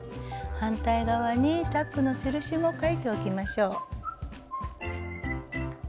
反対側にタックの印も書いておきましょう。